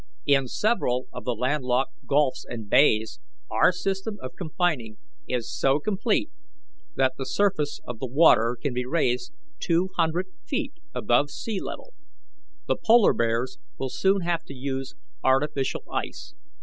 In several of the landlocked gulfs and bays our system of confining is so complete, that the surface of the water can be raised two hundred feet above sea level. The polar bears will soon have to use artificial ice.